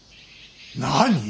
何。